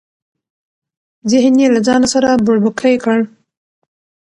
ذهن یې له ځانه سره بوړبوکۍ کړ.